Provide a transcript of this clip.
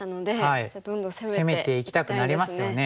攻めていきたくなりますよね。